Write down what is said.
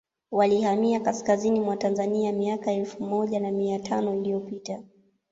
walihamia Kaskazini mwa Tanzania miaka elfu moja na mia tano iliyopita